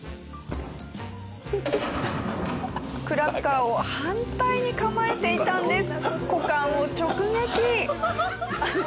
クラッカーを反対に構えていたんです。